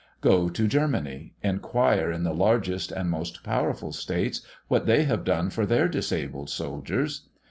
Go to Germany, enquire in the largest and most powerful states what they have done for their disabled soldiers.